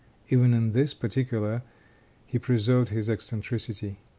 Even in this particular he preserved his eccentricity.